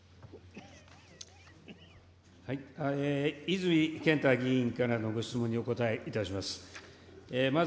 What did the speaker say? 泉健太議員からのご質問にお答えいたします。